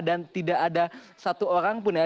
dan tidak ada satu orang pun ya